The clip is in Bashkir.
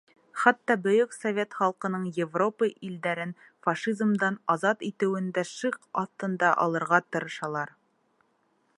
Хатта бөйөк совет халҡының Европа илдәрен фашизмдан азат итеүен дә шик аҫтына алырға тырышалар.